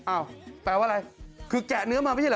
แปลว่าอะไรคือแกะเนื้อมาไม่ใช่เหรอ